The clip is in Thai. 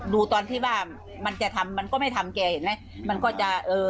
ดูตอนที่ว่ามันจะทำมันก็ไม่ทำแกเห็นไหมมันก็จะเอ่อ